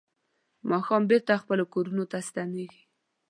ماښام بېرته خپلو کورونو ته ستنېږي.